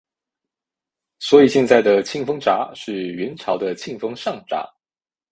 所以现在的庆丰闸是元朝的庆丰上闸。